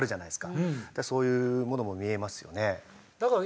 そういうものも見えますよね。